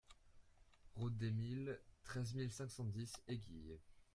Route des Milles, treize mille cinq cent dix Éguilles